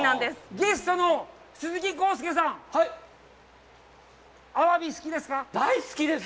ゲストの鈴木浩介さん、アワビ、好きですか？